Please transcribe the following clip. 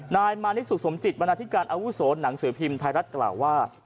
นายมานิสุสมจิตบรรณาธิการอาวุโสหนังสือพิมพ์ไทยรัฐกล่าวว่า